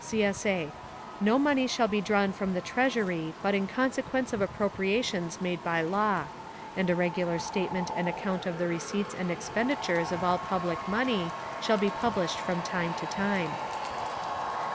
[CSA] No money shall be drawn from the Treasury, but in consequence of appropriations made by law; and a regular statement and account of the receipts and expenditures of all public money shall be published from time to time.